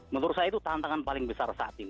menurut saya itu tantangan paling besar saat ini